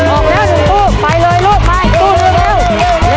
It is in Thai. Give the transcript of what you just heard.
ออกแล้วถึงตู้ไปเลยลูกไปตู้ถึงแล้ว